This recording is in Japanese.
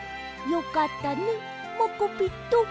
よかったねモコピット。